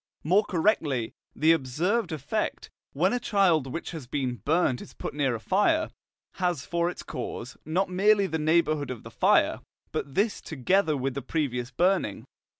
More correctly, the observed effect, when a child which has been burnt is put near a fire, has for its cause, not merely the neighbourhood of the fire, but this together with the previous burning.